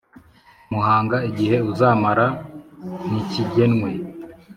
Muhanga Igihe uzamara ntikigenwe